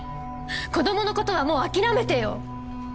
子供のことはもう諦めてよ！